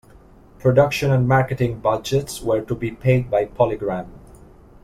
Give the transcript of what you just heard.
Production and marketing budgets were to be paid by Polygram.